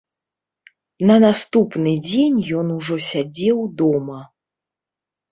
На наступны дзень ён ужо сядзеў дома.